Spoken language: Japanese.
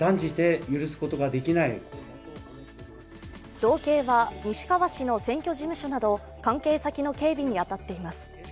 道警は西川氏の選挙事務所など関係先の警備に当たっています。